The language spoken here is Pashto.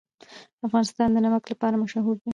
افغانستان د نمک لپاره مشهور دی.